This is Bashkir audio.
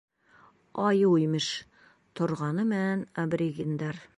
— Айыу, имеш, торғаны менән аборигендар.